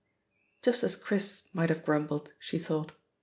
Just as Chris might have grum« bled, she thought.